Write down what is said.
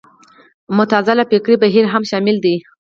معتزله فکري بهیر هم شامل دی